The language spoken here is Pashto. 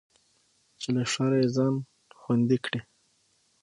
چې له شره يې ځان خوندي کړي.